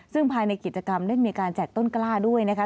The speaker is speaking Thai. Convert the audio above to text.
ซึ่งภายในกิจกรรมได้มีการแจกต้นกล้าด้วยนะคะ